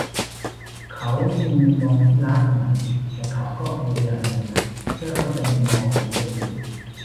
เขามีมุมมองที่ล้าสมัยแต่เขาก็พยายามอย่างหนักเพื่อเข้าใจมุมมองของบุคคลอื่น